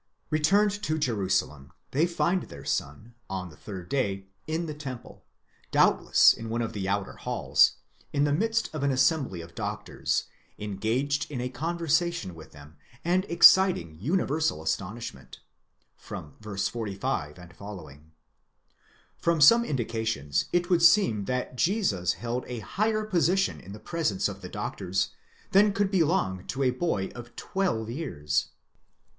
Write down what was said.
Returned to Jerusalem, they find their son on the third day in the temple, doubtless in one of the outer halls, in the midst of an assembly of doctors, én gaged in a conversation with them, and exciting universal astonishment (v. 45 f.). From some indications it would seem that Jesus held a higher position in the presence of the doctors, than could belong to a boy of twelve years.